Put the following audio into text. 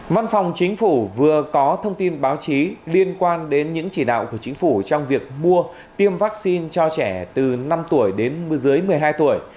văn phòng chính phủ vừa có thông tin báo chí liên quan đến những chỉ đạo của chính phủ trong việc mua tiêm vaccine cho trẻ từ năm tuổi đến dưới một mươi hai tuổi